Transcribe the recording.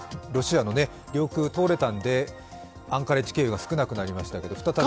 ロシアの領空通れたので、アンカレジ経由が少なくなりましたけれども。